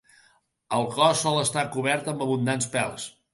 El cos sol estar cobert amb abundants de pèls.